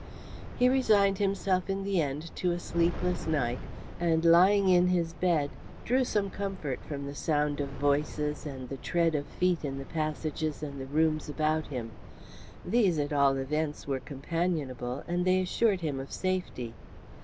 He resigned himself in the end to a sleepless night, and lying in his bed drew some comfort from the sound of voices and the tread of feet in the passages and the rooms about him. These, at all events, were companionable, and they assured him of safety.